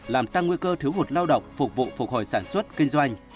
làm tăng nguy cơ thiếu hụt lao động phục vụ phục hồi sản xuất kinh doanh